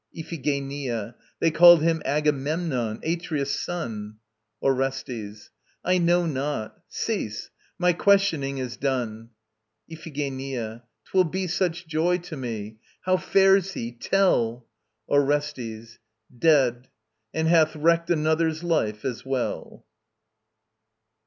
IPHIGENIA. They called him Agamemnon, Atreus' son. ORESTES. I know not. Cease. My questioning is done. IPHIGENIA. 'Twill be such joy to me! How fares he? Tell! ORESTES. Dead. And hath wrecked another's life as well.